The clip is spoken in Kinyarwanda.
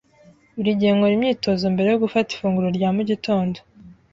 Buri gihe nkora imyitozo mbere yo gufata ifunguro rya mu gitondo.